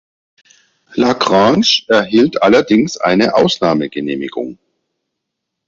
Lagrange erhielt allerdings eine Ausnahmegenehmigung.